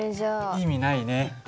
意味ないね。